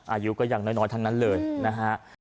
อายุก็ยังน้อยทั้งนั้นเลยนะฮะ